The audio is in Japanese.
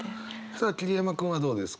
さあ桐山君はどうですか？